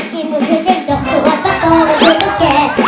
โดนไม่กระตุก